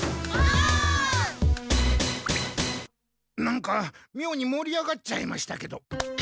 なんかみょうにもり上がっちゃいましたけど。